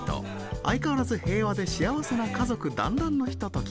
相変わらず平和で幸せな家族団らんのひととき。